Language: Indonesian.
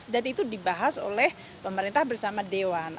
dan itu dibahas oleh pemerintah bersama dewan